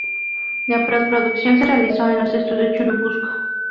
La posproducción se realizó en los Estudios Churubusco.